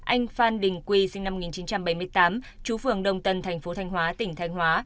anh phan đình quy sinh năm một nghìn chín trăm bảy mươi tám chú phường đồng tân thành phố thanh hóa tỉnh thanh hóa